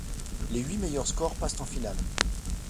Les huit meilleurs scores passent en finale.